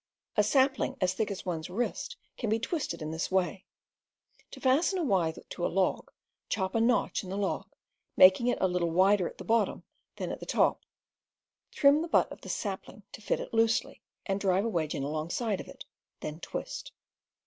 A sapling as thick as one's wrist can be twisted in this way. To fasten a withe to a log, chop a notch in the log, making it a little wider at the bottom than at the top, trim the butt of the sapling to fit loosely, and drive a wedge in alongside of it, then twist.